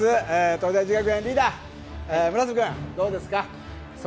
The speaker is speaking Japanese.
東大寺学園リーダー、村瀬君どうですか？